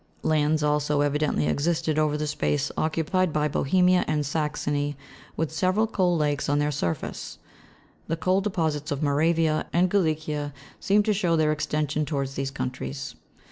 Lands also evidently existed over the space occupied by Bohe 17 194 COAL EPOCH. mia and Saxony, with several coal lakes on their surface ; the coal deposits of Moravia and Galicia seem to show their extension towards those countries.